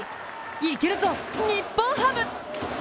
いけるぞ、日本ハム！